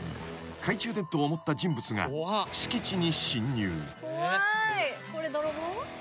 ［懐中電灯を持った人物が敷地に侵入］